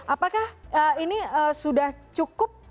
apakah ini sudah cukup